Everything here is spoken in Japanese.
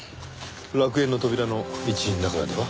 楽園の扉の一員だからでは？